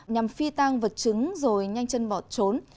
nhằm phi tăng vật chứng rồi nhanh chân bỏ trốn